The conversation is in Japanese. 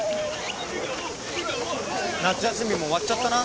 夏休みも終わっちゃったな。